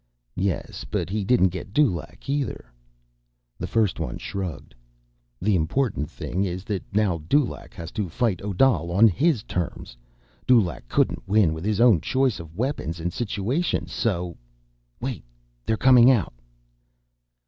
"Yes, but he didn't get Dulaq, either." The first one shrugged. "The important thing is that now Dulaq has to fight Odal on his terms. Dulaq couldn't win with his own choice of weapons and situation, so—" "Wait, they're coming out."